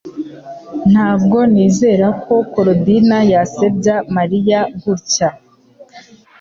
Ntabwo nizera ko Korodina yasebya Mariya gutya